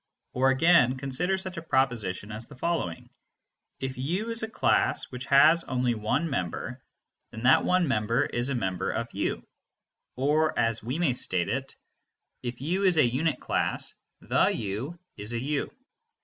Or again consider such a proposition as the following: "If u is a class which has only one member, then that one member is a member of u," or as we may state it, "If u is a unit class, the u is a u."